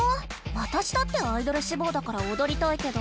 わたしだってアイドルしぼうだからおどりたいけど。